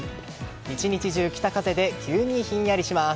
１日中、北風で急にひんやりします。